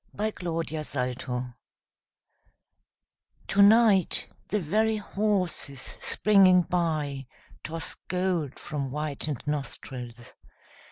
WINTER EVENING To night the very horses springing by Toss gold from whitened nostrils.